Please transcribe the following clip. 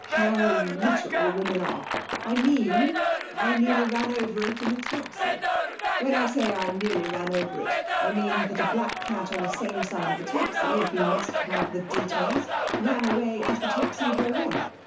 'How literal women are! I mean I nearly ran over it in a taxi. When I say I nearly ran over it, I mean that a black cat on the same side of the taxi (if you must have details) ran away as the taxi drove on....